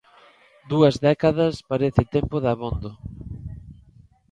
Dúas décadas parece tempo dabondo.